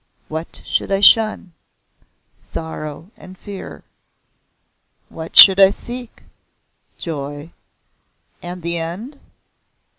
"What should I shun?" "Sorrow and fear." "What should I seek?" "Joy." "And the end?"